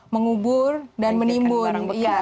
mengubur dan menimbun